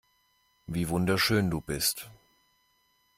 Wie wunderschön du bist.